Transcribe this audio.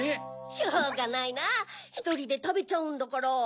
しょうがないなぁひとりでたべちゃうんだから。